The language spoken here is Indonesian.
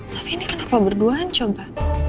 tapi ini kenapa berduaan coba